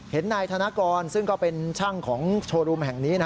นายธนกรซึ่งก็เป็นช่างของโชว์รูมแห่งนี้นะ